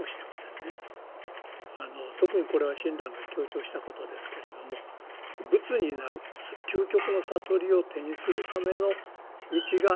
特にこれは親鸞が強調したことですけれども仏になる究極の悟りを手にするための道が「念仏」なんですね。